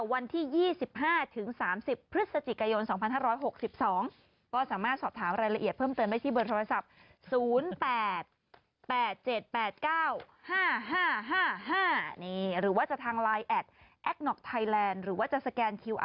ว่าผมมาสายขึ้นมีการแซว